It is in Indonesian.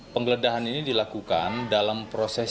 penggeledahan ini dilakukan dalam proses